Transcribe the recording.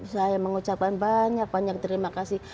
saya mengucapkan banyak banyak terima kasih